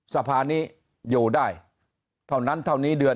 สภานี้อยู่ได้เท่านั้นเท่านี้เดือน